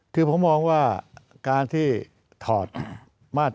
คือผมมองว่าการที่ถอดมาตร